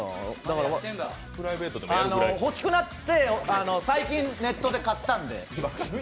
欲しくなって最近ネットで買ったんで。